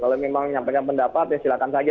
kalau memang nyampe pendapat ya silakan saja